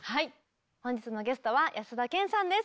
本日のゲストは安田顕さんです。